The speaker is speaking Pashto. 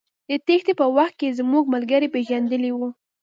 د تېښتې په وخت زموږ ملګرو پېژندلى و.